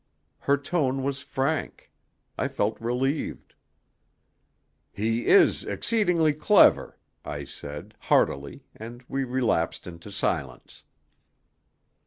Her tone was frank. I felt relieved. "He is exceedingly clever," I said, heartily, and we relapsed into silence.